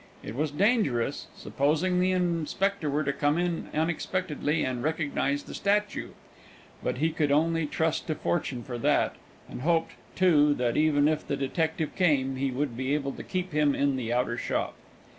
It was dangerous, supposing the inspector were to come in unexpectedly and recognise the statue; but he could only trust to fortune for that, and hoped, too, that even if the detective came he would be able to keep him in the outer shop.